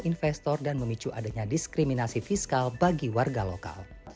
investor dan memicu adanya diskriminasi fiskal bagi warga lokal